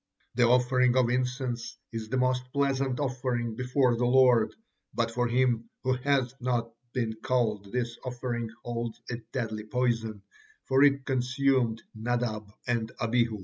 The offering of incense is the most pleasant offering before the Lord, but for him who hath not been called this offering holds a deadly poison, for it consumed Nadab and Abihu.